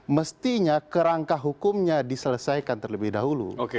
mestinya kerangka hukumnya diselesaikan terlebih dahulu